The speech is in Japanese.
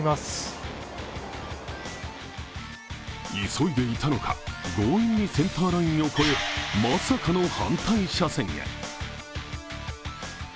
急いでいたのか、強引にセンターラインを越え、まさかの反対車線へ。